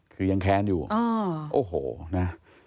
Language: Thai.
คือยังแค้นอยู่โอ้โหนะ